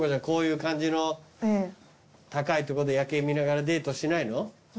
こういう感じの高いとこで夜景見ながらデートしないの？